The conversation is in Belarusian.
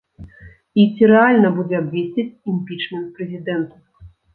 І ці рэальна будзе абвесціць імпічмент прэзідэнту.